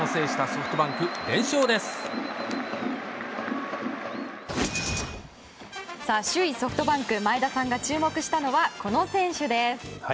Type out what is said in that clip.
ソフトバンク前田さんが注目したのはこの選手です。